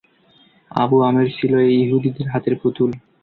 Abu Amer ছিল এই ইহুদীদের হাতের পুতুল।